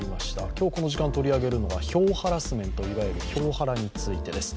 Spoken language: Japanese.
今日この時間取り上げるのは票ハラスメント、いわゆる票ハラについてです。